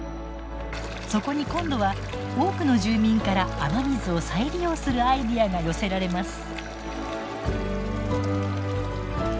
そこに今度は多くの住民から雨水を再利用するアイデアが寄せられます。